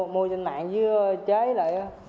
mua trên mạng chứ chế lại đó